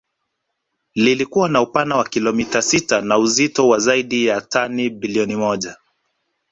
Liilikuwa na upana wa kilometa sita na uzito wa zaidi ya tani bilioni moja